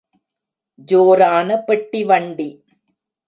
ஜோரான பெட்டி வண்டி!